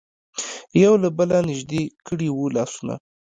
یو له بله نژدې کړي وو لاسونه.